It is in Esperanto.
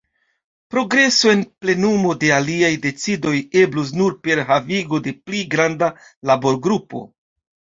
Progreso en plenumo de aliaj decidoj eblus nur per havigo de pli granda laborgrupo.